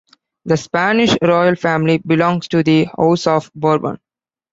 The Spanish royal family belongs to the House of Bourbon.